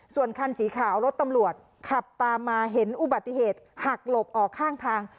ส่วนคันสีขาวรถตำรวจขับตามมาเห็นอุบัติเหตุหักหลบออกข้างทาง